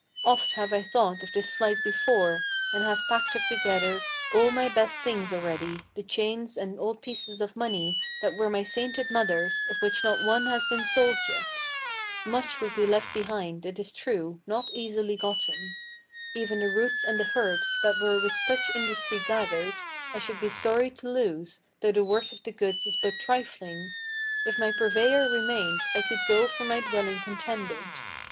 Oft have I thought of this flight before; and have packed up together All my best things already, the chains and old pieces of money That were my sainted mother's, of which not one has been sold yet. Much would be left behind, it is true, not easily gotten. Even the roots and the herbs, that were with such industry gathered, I should be sorry to lose, though the worth of the goods is but trifling. If my purveyor remained, I could go from my dwelling contented.